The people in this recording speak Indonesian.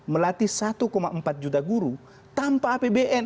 melatih satu empat juta guru tanpa apbn